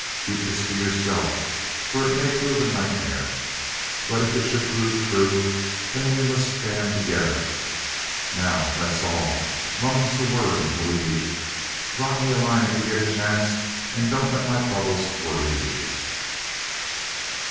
Keep this to yourself, for it may prove a nightmare. But if it should prove true, then we must stand together. Now, that's all; mum's the word until we meet. Drop me a line if you get a chance, and don't let my troubles worry you."